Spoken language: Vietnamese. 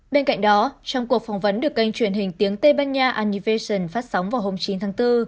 bên cạnh đó trong cuộc phỏng vấn được kênh truyền hình tiếng tây ban nha annivation phát sóng vào hôm chín tháng bốn